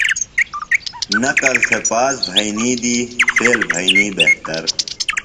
نقل تھےۡ پاس بھئینی دی فیل بھئینی بہتر۔